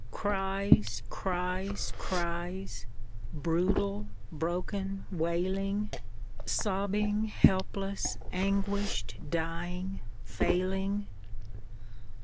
Cries, Is, criel brutal broken, wSling. Sobbing, helpless, anguished, dying, failing.